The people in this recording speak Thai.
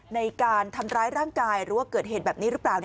ในการทำร้ายร่างกายหรือว่าเกิดเหตุแบบนี้หรือเปล่า